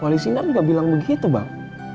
wali sinar juga bilang begitu bang